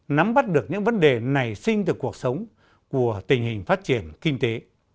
nắm bắt được những vấn đề nảy sinh từ cuộc sống của tình hình phát triển kinh tế